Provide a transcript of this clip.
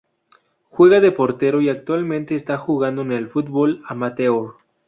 Juega de portero y actualmente está jugando en el fútbol amateur.